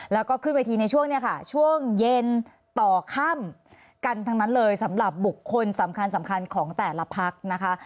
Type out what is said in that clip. แล้วก็ขึ้นเวทีในช่วงนี้ค่ะช่วงเย็นต่อค่ำกันทั้งนั้นเลยสำหรับบุคคลสำคัญสำคัญของแต่ละพักนะคะ